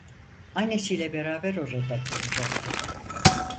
Annesiyle beraber orada kalacaktı…